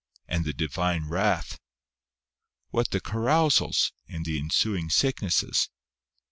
and the Divine wrath ? what the carousals, and the ensuing sicknesses